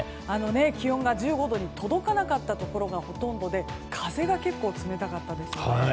気温が１５度に届かないところがほとんどで風が結構冷たかったんですよね。